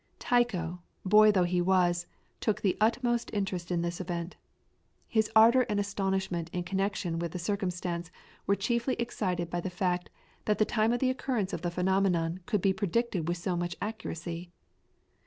Tycho, boy though he was, took the utmost interest in this event. His ardour and astonishment in connection with the circumstance were chiefly excited by the fact that the time of the occurrence of the phenomenon could be predicted with so much accuracy.